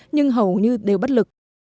nhưng hầu như đều bất lực